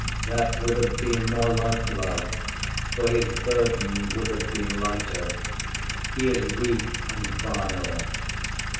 That would have been more like love, for his burden would have been lighter. He is weak and vile.